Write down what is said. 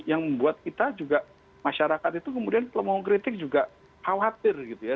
yang membuat kita juga masyarakat itu kemudian kalau mau kritik juga khawatir gitu ya